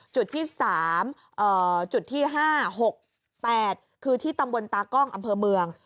จุดที่๓จุดที่๕๖๘คือที่ตำบลตากล้องอำเภอเมือง